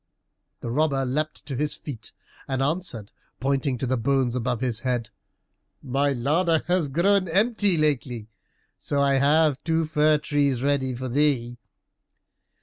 The robber leapt to his feet and answered, pointing to the bones above his head, "My larder has grown empty lately, so I have two fir trees ready for thee."